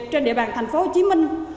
trên địa bàn thành phố hồ chí minh